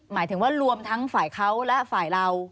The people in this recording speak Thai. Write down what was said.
หมายถึงว่ารวมทั้งฝ่ายเขาและฝ่ายเรา